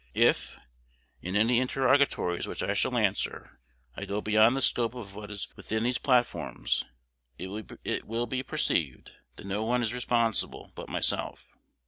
If, in any interrogatories which I shall answer, I go beyond the scope of what is within these platforms, it will be perceived that no one is responsible but myself.